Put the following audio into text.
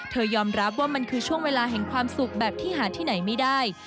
ยอมรับว่ามันคือช่วงเวลาแห่งความสุขแบบที่หาที่ไหนไม่ได้